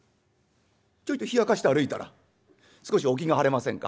ちょいとひやかして歩いたら少しお気が晴れませんか？」。